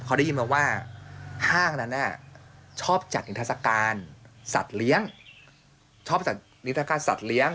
เขาได้ยินมาว่าห้างนั้นน่ะชอบจัดนิทราชการสัตว์เลี้ยง